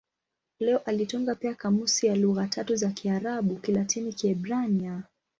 Leo alitunga pia kamusi ya lugha tatu za Kiarabu-Kilatini-Kiebrania.